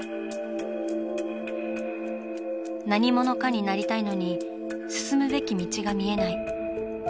何者かになりたいのに進むべき道が見えない。